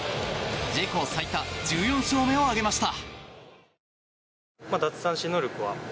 自己最多１４勝目を挙げました。